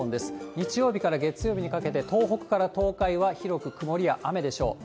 日曜日から月曜日にかけて、東北から東海は広く曇りや雨でしょう。